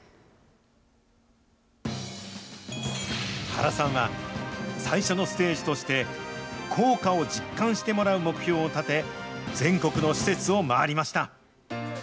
原さんは、最初のステージとして、効果を実感してもらう目標を立て、全国の施設を回りました。